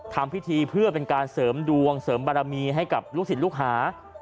ทำพิธีเพื่อเป็นการเสริมดวงเสริมบารมีให้กับลูกศิษย์ลูกหา